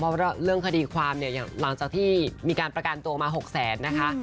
เพราะว่าเรื่องคดีความหลังจากที่มีการประกาศตัวมา๖๐๐๐๐๐นะคะ